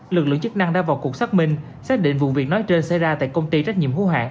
lực lượng chức năng đã vào cuộc xác minh xác định vụ việc nói trên xảy ra tại công ty trách nhiệm hữu hạng